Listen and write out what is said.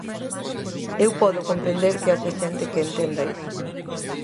Eu podo comprender que haxa xente que entenda iso.